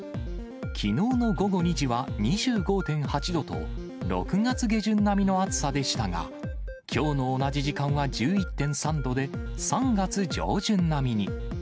きのうの午後２時は２５．８度と、６月下旬並みの暑さでしたが、きょうの同じ時間は１１．３度で、３月上旬並みに。